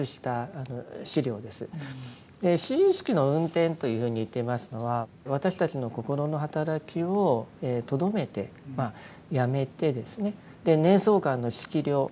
「心意識の運転」というふうに言っていますのは私たちの心の働きをとどめてやめてですね「念想観の測量」